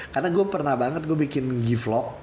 karena gue pernah banget gue bikin g vlog